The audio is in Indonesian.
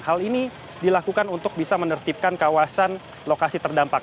hal ini dilakukan untuk bisa menertibkan kawasan lokasi terdampak